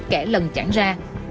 kể lần chẳng ra